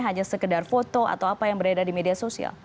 hanya sekedar foto atau apa yang beredar di media sosial